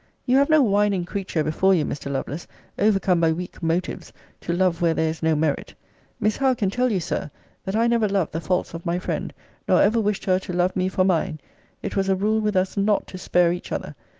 You have no whining creature before you, Mr. Lovelace, overcome by weak motives, to love where there is no merit. Miss Howe can tell you, Sir, that I never loved the faults of my friend; nor ever wished her to love me for mine. It was a rule with us not to spare each other.